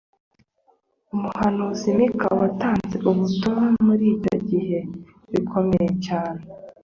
umuhanuzi mika watanze ubutumwa muri ibyo bihe bikomeye cyane